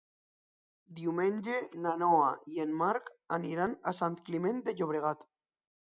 Diumenge na Noa i en Marc aniran a Sant Climent de Llobregat.